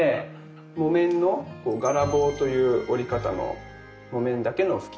木綿のガラ紡という織り方の木綿だけの布巾。